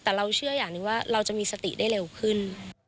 แต่เราเชื่ออย่างหนึ่งว่าเราจะมีสติได้เร็วขึ้น